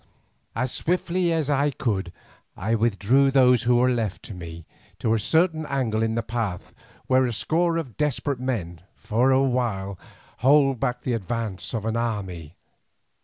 As swiftly as I could I withdrew those who were left to me to a certain angle in the path, where a score of desperate men might, for a while, hold back the advance of an army.